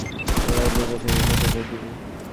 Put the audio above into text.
এবারের নির্বাচনে উনাকে ভোট দিবে?